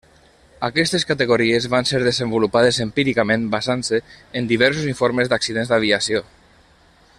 Aquestes categories van ser desenvolupades empíricament basant-se en diversos informes d'accidents d'aviació.